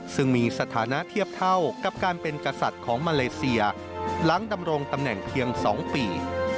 ซึ่งมีสถานะเทียบเท่ากับการเป็นกษัตริย์ของมาเลเซียหลังดำรงตำแหน่งเพียง๒ปี